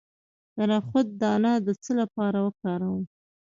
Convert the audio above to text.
د نخود دانه د څه لپاره وکاروم؟